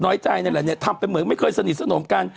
อะไรที่อะไรเนี่ยทำไปเหมือนไม่เคยสนิทสนมกัน